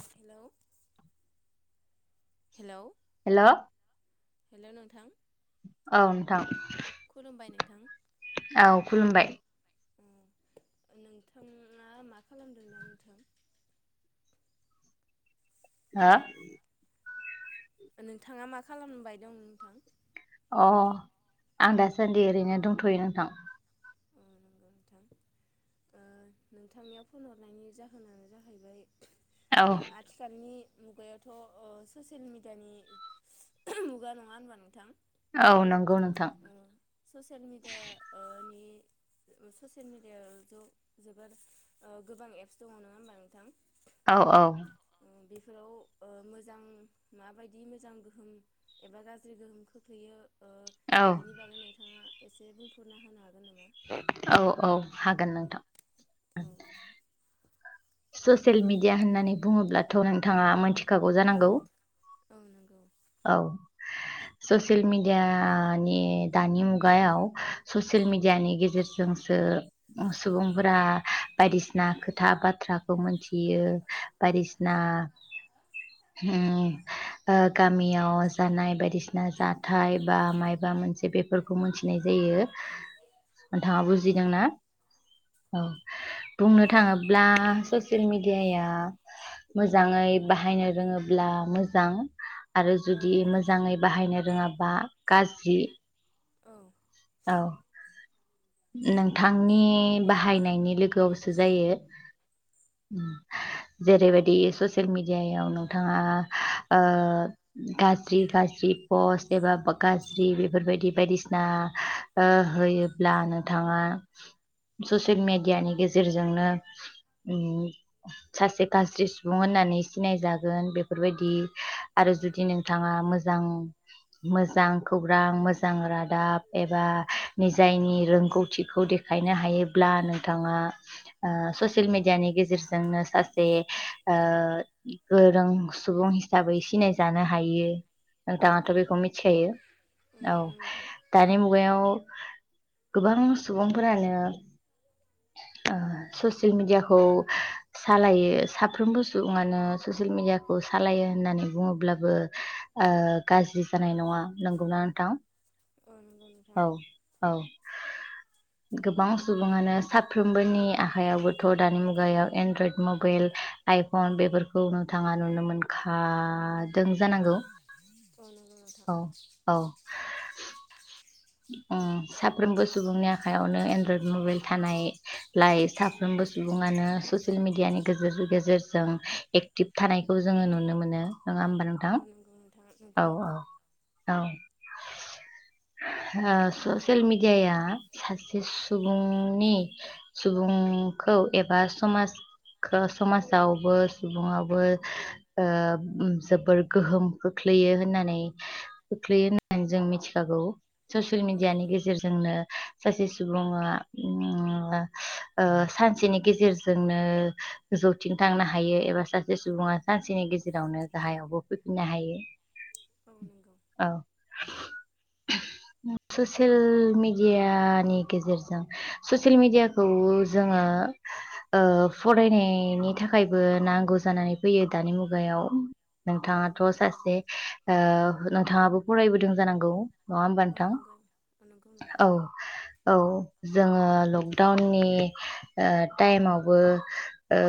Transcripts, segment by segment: Hello hello hello hello नोंथां औ नोंथां। थां औ खुलुमबाय। नोंथाङा मा खालामदों ना नोंथां? हा नोंथाङा मा खालामबाय दं नोंथां अह आं दासान्दि ओरैनो दंथ'यो नोंथां। उम नंगौ नोंथां ओ नोंथांनियाव फन हरनायनि जाहोनानो जाहैबाय औ ओ आथिखालनि मुगायावथ' ओ ससियेल मिडियानि मुगा नङा होनबा नोंथां औ नंगौ नोंथां ससियेल मिडिया नि औ ससियेल मिडिया ज-जोबोर ओ गोबां एप्स दङ नङा होमबा नोंथां। औ औ ओ बेफोराव ओ मोजां माबायदि मोजां गोहोम एबा गाज्रि गोहोम खोख्लैयो ओ औ बिनि बागै नोंथाङा एसे बुंफुरना होनो हागोन नामा। औ औ हागोन नोंथां। औ ससियेल मिडिया होननानै बुङोब्लाथ नोंथाङा मोनथिखागौ जानांगौ। औ नोंगौ। औ ससियेल मिडियानि दानि मुगायाव ससियेल मिडियानि गेजेरजोंसो सुबुंफोरा बायदिसिना खोथा बाथ्रा मोनथियो बायदिसिना उम ओ गामियाव जानाय बायदिसिना जाथाय बा मायबा मोनसे बेफोरखौ मोनथिनाय जायो नोंथाङा बुजिदोंना। औ बुंनो थाङोब्ला ससियेल मिडियाया मोजाङै बाहायनो रोङोब्ला मोजां। आरो औ जुदि मोजाङै बाहायनो रोङाबा गाज्रि। औ औ नोंथांनि बाहायनायनि लोगोआवसो जायो जेरैबायदि ससियेल मिेडियायाव नोंथाङा ओ गाज्रि गाज्रि पस्ट एबा गाज्रि बेफोरबायदि बायदिसिना ओ होयोब्ला नोंथाङा ससियेल मेडियानि गेजेरजोंनो उम सासे गाज्रि सुबुं होननानै सिनाय जागो बेफोरबायदि आरो औ जुदि नोंथाङा मोजां मोजां खौरां मोजां रादाब निजायनि रोंगौथिखौ देखायनो हायोब्ला नोंथाङा ओ ससियेल मेडियानि गेजेरजोंनो सासे ओ गोरों सुबुं हिसाबै सिनायजानो हायो। नोंथाङाथ' औ बेखौ मिथिखायो औ। नंगौ नोंथां मुगायाव गोबां सुबुंफोरानो ओ ससियेल मिडियाखौ सालायो साफ्रोमबो सुबुङानो ससियेल मिडियाखौ सालायो होननानै बुङोब्लाबो ओ गाज्रि जानाय नङा नंगौना नोंथां। औ नोंगौ नोंथां। औ औ गोबां सुबुङानो साफ्रोमबोनि आखायावबोथ। दानि मुगायाव एनड्रइड मबाइल आइफन बेफोरखौ नोंथाङा नुनो मोनखादों जानांगौ। औ नंगौ नोंथा। औ औ उम साफ्रोमबो सुबुंनि आखाइायावनो एनड्रइड मबाइल थानायलाय साफ्रोमबो सुबुङानो ससियेल मिडियानि गेजेर गेजेरजों एक्टिभ थानायखौ जोङो नुनो मोनो नङा होमबा नोंथां औ नंगौ नोंथां औ नंगौ औ नोंथां औ। ओ ससियेल मिडियाया सासे सुबुंनि सुबुंखौ एबा समाजखौ समाजावबो सुबुंआवबो ओ जोबोर गोहोम खोख्लैयो होननानै खोख्लैयो होननानै जों मिथिखागौ। ससियेल औ मिडियानि नंगौ गेजेरजोंनो सासे सुबुङा उम ओ सानसेनि गेजेरजोंनो जौथिं थांनो हायो एबा सासे सुबुङा सानसेनि गेजेरावनो गाहायावबो फैफिननो हायो। औ नंगौ औ ससियेल मिडियानि गेजेरजों ससियेल मिडियाखौ जोङो ओ फरायनायनि थाखायबो नांगौ जानानै फैयो दानि मुगायाव। औ नोंथाङाथ नंगौ नोंथां सासे ओ नोंथाङाबो फरायबोदों जानांगौ नङा होमबा औ नोथां नंगौ औ नंगौ नोंथां औ औ जोङो लकडाउननि ओ टायेमावबो ओ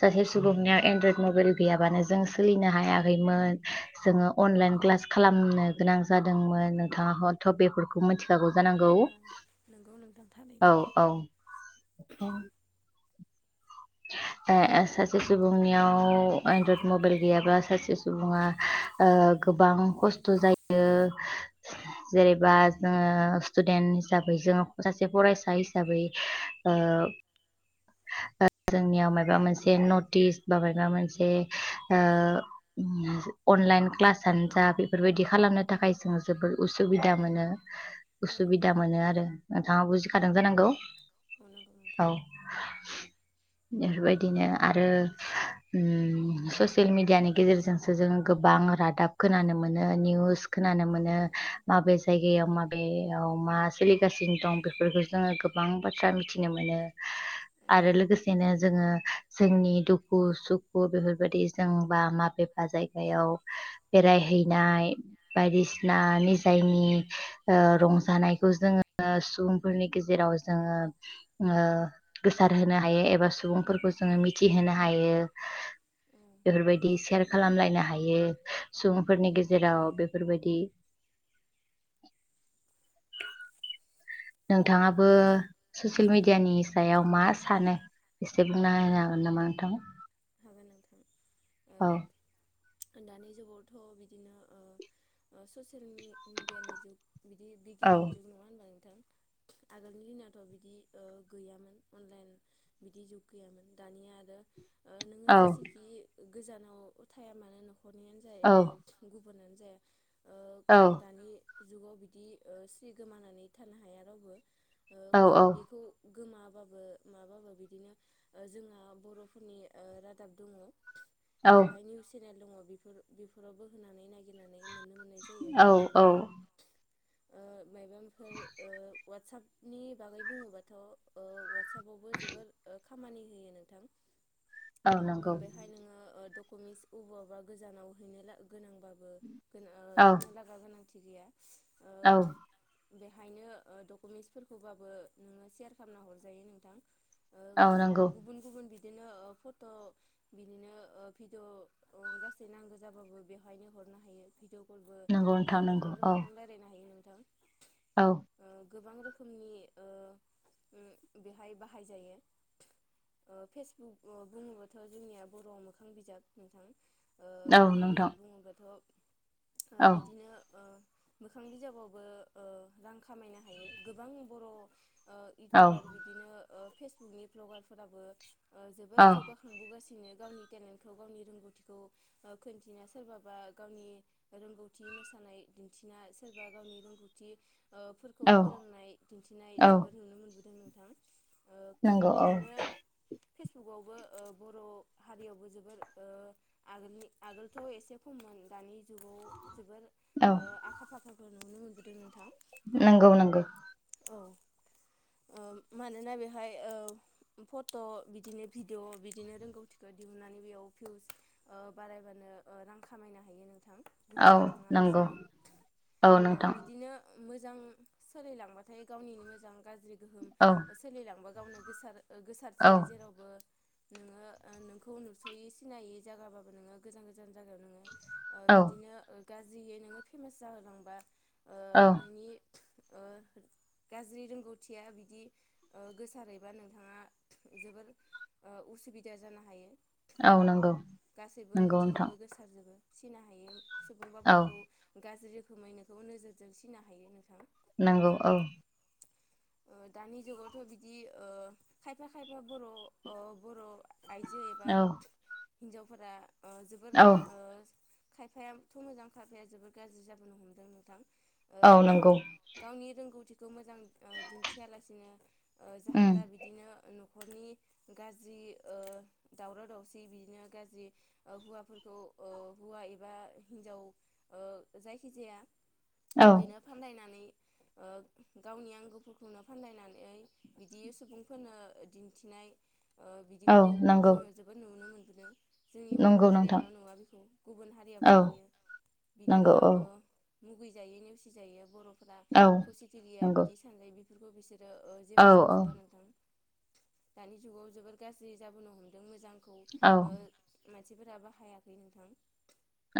सासे सुबुंनियाव एनड्रयद मबाइल गैयाबानो जों सोलिनो हायाखैमोन जोङो अनलाइन क्लास खालामनो गोनां जादोंमोन नोंथाङा हथ' बेफोरखौ मिथिखागौ जानांगौ औ नंगौ नोंथां थारैनो औ औ आ सासे सुबुंनियाव एनड्रइड मबाइल गैयाब्ला सासे सुबुङा गोबां खस्थ' जायो जेनेबा जोङो स्टुदेन्ट हिसाबै जों सासे फरायसा हिसाबै ओ जोंनियाव मायबा मोनसे नटिस बा माबा मोनसे ओ अनलाइन क्लासानो जा बेफोरबायदि खालामनो थाखाय जों जोोबद उसुबिदा मोनो औ नंगौ उसुबिदा मोनो आरो थांङा बुजिखादों जानांगौ औ नंगौ नोंथां। औ बेफोरबायदिनो आरो ओ ससियेल मिडियानि गेजेरजोंसो जोङो गोबां रादाब खोनानो मोनो निउस खोनानो मोनो औ माबे जायगायाव माबेयाव मा सोलिगासिनो दं बेफोरखौ जोङो गोबां बाथ्रा मिथिनो मोनो औ आरो लोगोसे बिनो जोङो जोंनि दुखु सुखु बेफोरबायदि जों बा माबेबा जायगायाव बेरायहैनाय बायदिसिना निजायनि रंजानायखौ जोङो सुबुंफोरनि गेजेराव जोङो गोसार होनोनो हायो एबा बा सुबुंफोरखौ जो मिथहायो औ बेफोरबायदि सेयार खालामलायनो हायो सुबुंफोरनि गेजेराव बे फोरबायदि नोंथाङाबो ससियेल मिडियानि सायाव मा सानो एसेसे बुंना औ हागोन नामा नोंथां हागोन नोंथां ओ औ दानि जुगावथ' बिदिनो ओ ससियेल मिडियानि जुग बिदि औ बिगियाननि जुग नङा होनबा आगोलनि दिनावथ' बिदि गैयामोन अनलाइन बिदि जु गैयामोन दानिया आरो ओ नोङो औ जेसेखि गोजानाव थाया मानो नख खरनियानो औ जाहैबाय बोननानै जाया औ ओ दानि जुगाव बिदि सि गोमानानै थानो हाया रावबो ओ औ बेखौ गोमाबाबो माबाबो बिदिनो जोंहा बर'फोरनि रादाब दङ औ बेहाय निउस चेनेल दङ बेफोरावबो होनानै नागिरनानै मोननो मोननाय जायो औ नोंथां औ ओ माइबंफोर ओ वाट्सपनि बागै बुङोबाथ' ओ वाट्सपावबो जोबोर ओ खामानि होयो नोंथां औ ओम नंगौ बेहाय नोङो मिस अबावबा गोजानाव हैनो ला गोनांबाबो गो ओ औ थांनो लागा गोनां थिग गैया ओ औ बेहायनो डकुमेन्टसफोरखौबाबो नोङो सेयार खालामना हरजायो नोंथां औ नांगौ। दिनो फट' बिनिनो भिडिअ गासै नांगौ जाबाबो बेवहायनो हरनो हायो भिडिअ बो नंगौ नोंथां नंगौ मोखांजों औ मोखां रायलायनो हायो नों ओं औ गोबां रोखोमनि ओ ओम बेहाय बाहायजायो। ओ फेसबुक बुङोबथ' जोंनिया बर'आव मोखां बिजाब नोंथां। ओ औ मोखां नोंथां बिजाब बुङोबाथ' ओ औ बिदिनो ओ मोखां बिजाबावबो ओ गोबां खामायनो हायो, गोबां बर' ओ औ इउटुबार बिदिनो ओ नि भ्लगारफोराबो ओ जोबोद औ जौगाखांबोगासिनो बियो गावनि टेलेन्टखौ गावनि रोंगौथिखौ खोन्थिना सोरबाबा गावनि रोंगौथि मोसानाय दिन्थिना सोरबा गावनि रोंगौथि ओ फोरखौ औ फोरोंनाय दिन्थिनाय औ जोबोद नुनो मोनबोदों। ओं नंगौ औ फेसबुकावबो ओ बर' हारियावबो जोबोर ओ आगोलनि आगोलथ' एसे खममोन दानि जुगाव जोबोर औ ओ आखा फाखाफोर नुनो मोनबोदों नोंथां नंगौ नंगौ। औ ओ मानोना बेहाय औ फट' बिदिनो भिडिअ बिदिनो रोंगौथिखौ दिहुननानै बेयाव भिउस ओ बारायबानो ओ रां खामायनो हायो नोंथां। औ गुबुनाव नंगौ थाङालासिनो औ ओ नोंथां बिदिनो मोजां सोलायलांबाथाय गावनिनो मोजां गाज्रि गोहोम औ सोलिलांबा गावनो गोसार औ गोसारथियो जेरावबो नोङो ओ नोंखौ नुस'यै सिनायै जायगाबाबो नोङो गोजान गोजान जायगायाव नोङो ओ औ बिदिनो ओ गाज्रियै नोङो फेमास जाहोलांबा ओ औ नोंनि ओ गाज्रि रोंगौथिया बिदि ओ गोसारैबा नोंथाङा जोबोर ओ उसुबिदा जानो हायो औ नंगौ गासैबो नंगौ नोंथां मिथिजोबो गोसारजोबो फिसिनो हायो सोरजोंबा औ बोनोंखौ गाज्रि गुनै नोंखौ नोजोरजों सिनो हायो नोंथां नंगौ औ ओ दानि जुगावथ' बिदि ओ खायफा खायफा बर' ओ बर' आइजो एबा औ हिन्जावफोरा ओ जोबोर औ ओ खायफाया थ मोजां खायफाया जोबोर गाज्रि जाबोनो हमदों नोंथां ओ औ नंगौ गावनि रोंगौथि खौ मोजां ओ दिन्थियालासिनो ओ उम जाहाथा बिदिनो नु न'खरनि गाज्रि ओ दावराव दावसि बिदिनो गाज्रि ओ हौवाफोरखौ ओ हौवा एबा हिन्जाव ओ जायखिजाया औ बिदिनो फानलायनानै ओ गावनि आं गुफुरखौनो फानलायनानै बिदि सुबुंफोरनो दिन्थिनाय ओं औ बिदिखौ नंगौ जोङो जोबोद नुनो मोन दों जोंनि बर' नंगौ नोंथां हारियाल' नुवा बेखौ गुबुन हारियाबो औ नुयो बिदिनो नंगौ औ ओ मुगैजायो नेवसि जायो बर' फ्रा औ खौसेथि गोया नंगौ बिदि नै बिफोरखौ बिसोर ओ ओ औ जेबो सानस'आ नोंथां दानि जुगाव जोबोर गाज्रि जाबोनो हमदों मोजां औ मानसिफोराबो हायाखै नोंथां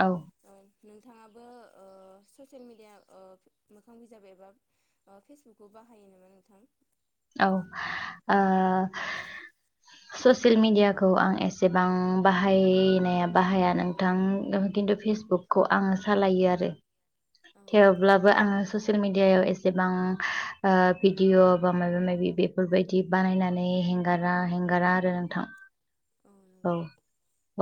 औ ओ नोंथाङाबो ओ ससियेल मिडिया ओ मोखां बिजाब एबा ओ फेसबुक खौ बाहायो नामा नोंथां? औ ओ ससियेल मिेडियाखौ आं एसेबां बाहायनाया बाहाया नोंथां खिन्थु फेसबुकखौ आङो सालायो आरो औ नंगौ थेवब्लाबो आङो ससे ससिएल मिदियाव एसेबां ओ भिडिअ बा माबा माबि बेफोर बायदि बानायनानै हेंगारा हें गारा आरो नोंथां औ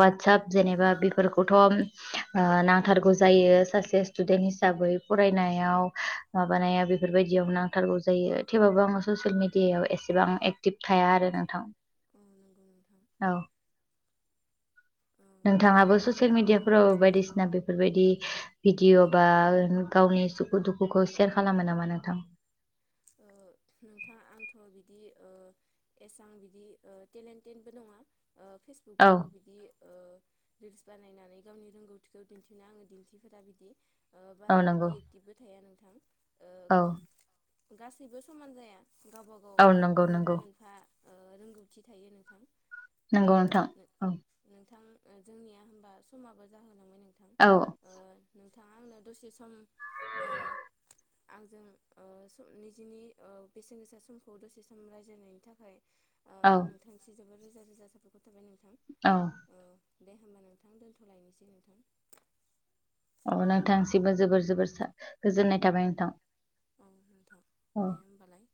वाटसाप जेनेबा बेफोरखौथ आ नांथारगौ जायो सासे स्टुदेन्ट हिसाबै फरायनायाव माबानायाव बेफोरबायदियाव नांथारगौ जायो थेवबाबो आङो ससिएल मिडियायाव एसेबां एकटिभ थाया आरो नोंथां औ नंगौ नोंथां औ औ दे नोंथाङाबो ससियेल नोंथां औ मिडियाफोराव बायदिसिना बेफोरबायदि भिदिअ बा गावनि सुखु दुखुखौ सेयार खालामो नामा नोंथां? ओ नोंथां आंथ' बिदि ओ एसां बिदि ओ टेलेन्टेडबो नङा। ओ औ फेसबुकफोराव बिदि ओ रिल्स बानायनानै गावनि रोंगौथिखौ दिन्थिनो आङो दिन्थिफेरा बिदि। औ बारा नंगौ बिदि एक्टिभबो थाया नों नोंथां औ गासैबो समान जाया गावबा गाव औ नंगौ मोनफा नंगौ मोनफा ओ रोंगौथि थायो नोंथां। ओ नोंगौ नोंथां औ नोंथां जोंनिया होमबा समाबो जाहोलांबाय। औ ओ [unintelligible] नोंथाङा आंनो दसे सम ओ [inaudible] आंजों ओ निजिनि ओ बेसेन गोसा समखौ दसे सम रायज्लायनायनि थाखाय ओ औ नोंथांनिसिम रोजा रोजा साबायखर औ [inaudible] ओ दे होमबा नोंथां दोन्थलायनोसै नोंथां अ नोंथांसिबो जोबोर जोबोर गोजोननाय थाबाय नोंथां। औ नोंथां औ दे होमबालाय।